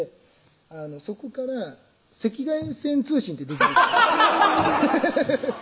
そこから赤外線通信ってハハハハハ！